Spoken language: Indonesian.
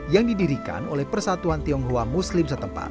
yang didirikan oleh persatuan tionghoa muslim setempat